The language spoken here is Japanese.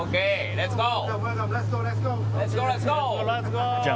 レッツゴー！